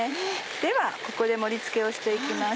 ではここで盛り付けをして行きます。